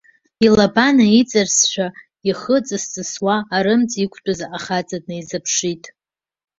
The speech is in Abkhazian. Илаба наиҵарсшәа, ихы ҵыс-ҵысуа арымӡ иқәтәаз ахаҵа днаизыԥшит.